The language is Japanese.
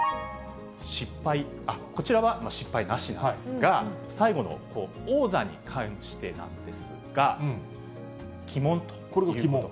失敗、こちらは失敗なしなんですが、最後の王座に関してなんですが。これが鬼門と？